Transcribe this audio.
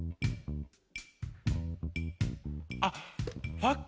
あっ。